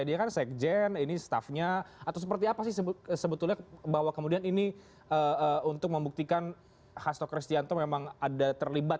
dia kan sekjen ini staffnya atau seperti apa sih sebetulnya bahwa kemudian ini untuk membuktikan hasto kristianto memang ada terlibat